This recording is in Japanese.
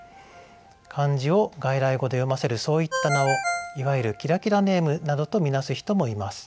漢字を外来語で読ませるそういった名をいわゆるキラキラネームなどと見なす人もいます。